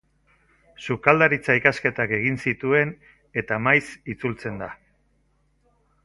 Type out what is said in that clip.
Sukaldaritza ikasketak egin zituen eta maiz itzultzen da.